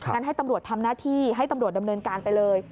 งั้นให้ตำรวจทำหน้าที่ให้ตำรวจดำเนินการไปเลย